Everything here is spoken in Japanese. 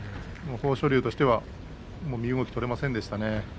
豊昇龍としては身動き取れませんでしたね。